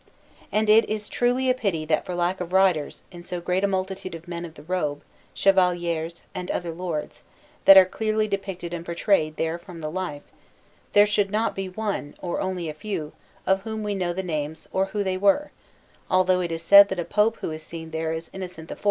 And it is truly a pity that for lack of writers, in so great a multitude of men of the robe, chevaliers, and other lords, that are clearly depicted and portrayed there from the life, there should be not one, or only very few, of whom we know the names or who they were; although it is said that a Pope who is seen there is Innocent IV, friend of Manfredi.